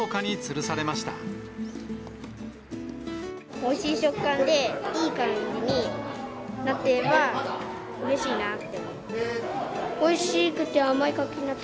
おいしい食感で、いい感じになればうれしいなと思って。